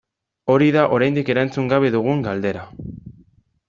Hori da oraindik erantzun gabe dugun galdera.